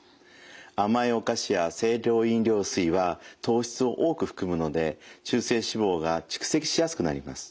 甘いお菓子や清涼飲料水は糖質を多く含むので中性脂肪が蓄積しやすくなります。